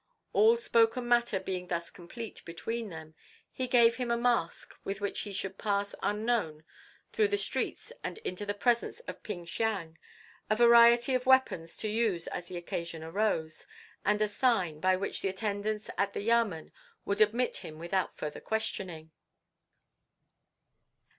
All spoken matter being thus complete between them, he gave him a mask with which he should pass unknown through the streets and into the presence of Ping Siang, a variety of weapons to use as the occasion arose, and a sign by which the attendants at the Yamen would admit him without further questioning.